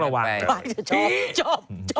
พี่แบบจะชอบ